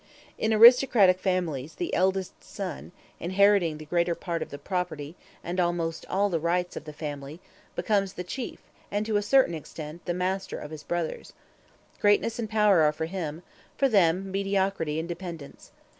In aristocratic families the eldest son, inheriting the greater part of the property, and almost all the rights of the family, becomes the chief, and, to a certain extent, the master, of his brothers. Greatness and power are for him for them, mediocrity and dependence.